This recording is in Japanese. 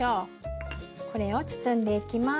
これを包んでいきます。